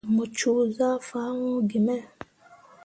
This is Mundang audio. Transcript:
Mu coo zah fah hun gi me.